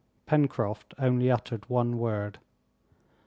Pencroft only uttered one word.